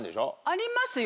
ありますよ。